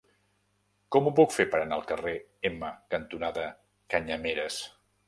Com ho puc fer per anar al carrer Ema cantonada Canyameres?